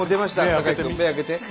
坂井君目開けて。